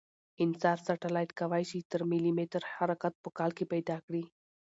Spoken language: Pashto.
انسار سټلایټ کوای شي تر ملي متر حرکت په کال کې پیدا کړي